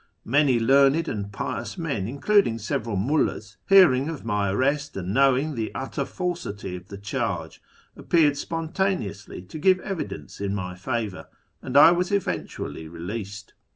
Many learned and pious men, including several mullds, hearing of my arrest, and knowing the utter falsity of the charge, appeared spon taneously to give evidence in my favour, and I was eventu ally released.